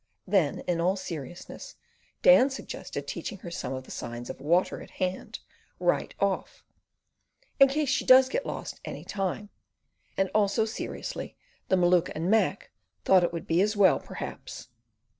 Then in all seriousness Dan suggested teaching her some of the signs of water at hand, right off, "in case she does get lost any time," and also seriously, the Maluka and Mac "thought it would be as well, perhaps."